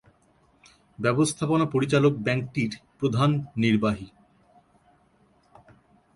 ব্যবস্থাপনা পরিচালক ব্যাংকটির প্রধান নির্বাহী।